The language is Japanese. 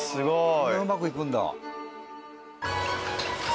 そんなうまくいくんだ。